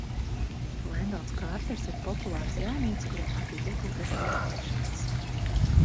Lendons Kārters ir populārs jaunietis, kuram patīk iekulties nepatikšanās.